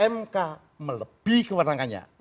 mk melebihi kewenangannya